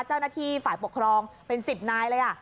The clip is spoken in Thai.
เจ้าหน้าที่ฝ่ายปกครองเป็น๑๐นายเลย